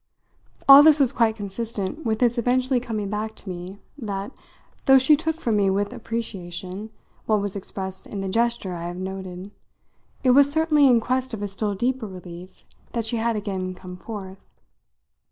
All this was quite consistent with its eventually coming back to me that, though she took from me with appreciation what was expressed in the gesture I have noted, it was certainly in quest of a still deeper relief that she had again come forth.